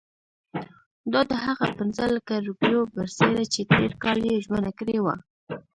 دا د هغه پنځه لکه روپیو برسېره چې تېر کال یې ژمنه کړې وه.